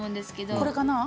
これかな？